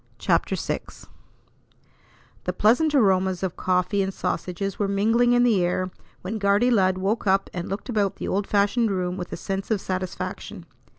CHAPTER VI The pleasant aromas of coffee and sausages were mingling in the air when "Guardy Lud" woke up and looked about the old fashioned room with a sense of satisfaction.